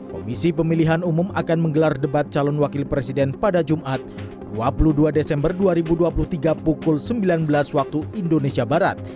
komisi pemilihan umum akan menggelar debat calon wakil presiden pada jumat dua puluh dua desember dua ribu dua puluh tiga pukul sembilan belas waktu indonesia barat